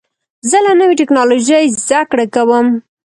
زه له نوې ټکنالوژۍ زده کړه کوم.